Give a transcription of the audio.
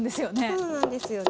そうなんですよね。